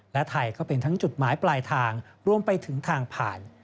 และไทยก็เป็นทั้งจุดหมายปลายทางรวมไปถึงทางผ่าน